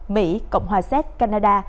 mỹ cộng hòa xét canada